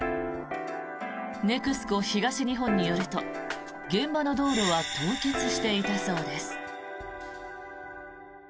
ネクスコ東日本によると現場の道路は凍結していたそうです。